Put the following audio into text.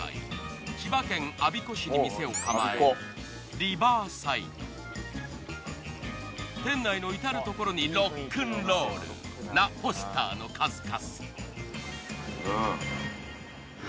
千葉県我孫子市に店を構える店内のいたるところにロックンロールなポスターの数々。